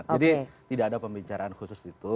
jadi tidak ada pembicaraan khusus itu